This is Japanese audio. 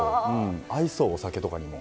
合いそうお酒とかにも。